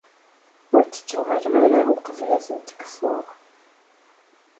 Ur d-ttuɣaleɣ ara uqbel ad ten-kfuɣ.